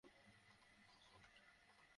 O my god!